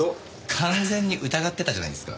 完全に疑ってたじゃないですか。